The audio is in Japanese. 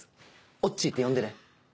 「おっちー」って呼んでね。